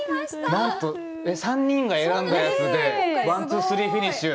なんと３人が選んだやつでワンツースリーフィニッシュ。